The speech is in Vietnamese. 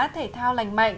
thể thao lành mạnh